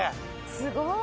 すごい。